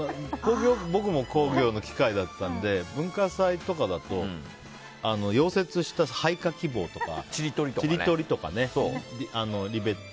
僕も工業の機械だったので文化祭とかだと溶接したちり取りとか。